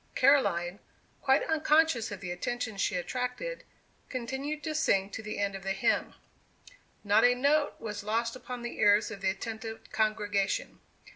Caroline, quite unconscious of the attention she attracted, continued to sing to the end of the hymn. Not a note was lost upon the ears of the attentive congregation.